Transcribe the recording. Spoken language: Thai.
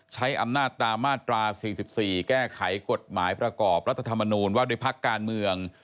ใช้อำนาจตามมาตรา๔๔แก้ไขกฎหมายประกอบรัฐธรรมนูญว่าด้วยพักการเมือง